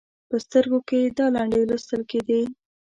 په سترګو کې یې دا لنډۍ لوستل کېدې: